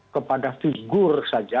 kepada figur saja